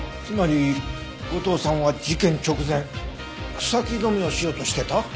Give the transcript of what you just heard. つまり後藤さんは事件直前草木染めをしようとしていた？